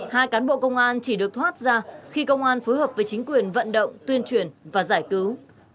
hai cán bộ công an chỉ được thoát ra khi công an phối hợp với chính quyền vận động tuyên truyền và giải cứu